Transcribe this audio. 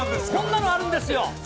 こんなのあるんですよ。